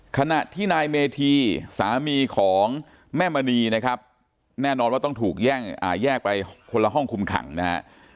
ขณะที่นายเมธีสามีของแม่มณีนะครับแน่นอนว่าต้องถูกแยกไปคนละห้องคุมขังนะฮะ